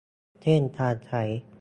เช่นการใช้